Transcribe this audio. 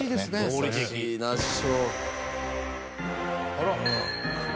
あら。